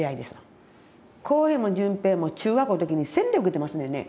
幸平も順平も中学校の時に洗礼受けてますねんね。